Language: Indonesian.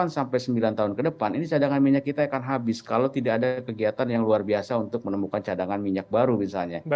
delapan sampai sembilan tahun ke depan ini cadangan minyak kita akan habis kalau tidak ada kegiatan yang luar biasa untuk menemukan cadangan minyak baru misalnya